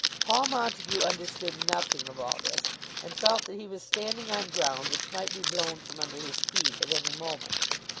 Paul Montague understood nothing of all this, and felt that he was standing on ground which might be blown from under his feet at any moment.